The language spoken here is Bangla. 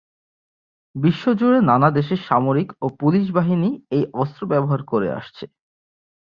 বিশ্বজুড়ে নানা দেশের সামরিক ও পুলিশ বাহিনী এই অস্ত্র ব্যবহার করে আসছে।